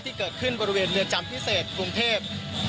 ที่เกิดขึ้นบริเวณเรือนจำพิเศษกรุงเทพ